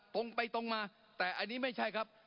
ตรงไปตรงมาแต่อันนี้ไม่ใช่ครับ